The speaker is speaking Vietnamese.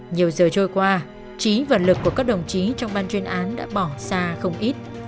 nhiều giờ trôi qua trí vật lực của các đồng chí trong ban chuyên án đã bỏ xa không ít